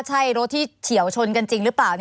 ใช่รถที่เฉียวชนกันจริงหรือเปล่า